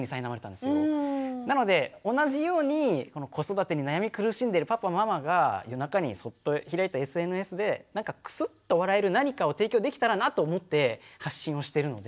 なので同じように子育てに悩み苦しんでるパパママが夜中にそっと開いたＳＮＳでなんかクスッと笑える何かを提供できたらなと思って発信をしてるので。